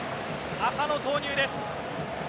浅野投入です。